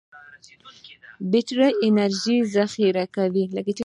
بټري انرژي ذخیره کوي.